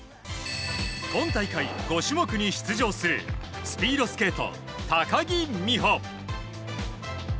今大会、５種目に出場するスピードスケート、高木美帆。